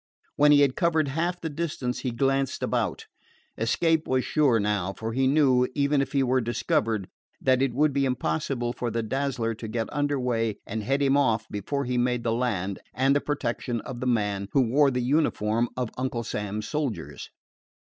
When he had covered half the distance he glanced about. Escape was sure now, for he knew, even if he were discovered, that it would be impossible for the Dazzler to get under way and head him off before he made the land and the protection of that man who wore the uniform of Uncle Sam's soldiers.